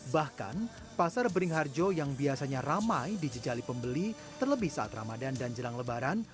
bahkan pasar beringharjo yang biasanya ramai di jejali pembeli terlebih saat ramadan dan jelang lebaran